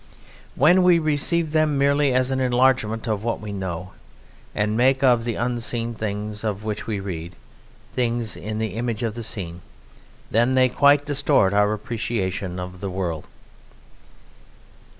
When we receive them merely as an enlargement of what we know and make of the unseen things of which we read, things in the image of the seen, then they quite distort our appreciation of the world.